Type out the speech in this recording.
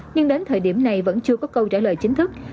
nhưng đến thời điểm này vẫn chưa có câu trả lời chính thức